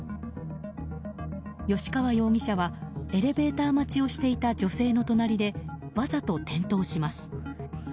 吉川容疑者はエレベーター待ちをしていた女性の隣でわざと転倒します。